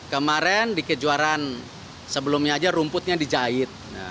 kemarin di kejuaraan sebelumnya aja rumputnya dijahit